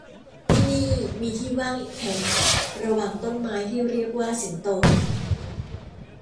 ที่นี่มีที่ว่างอีกแห่งระหว่างต้นไม้ที่เรียกว่าสิงโต